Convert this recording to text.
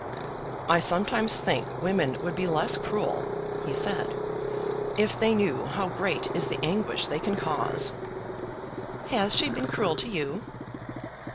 "I sometimes think women would be less cruel," he said, "if they knew how great is the anguish they can cause." "Has she been cruel to you?"